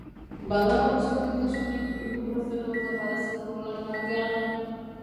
Badago desberdintasunik, ibuprofeno eta parazetamolaren artean?